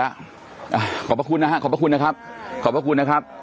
ขอบพระคุณนะฮะขอบพระคุณนะครับขอบพระคุณนะครับ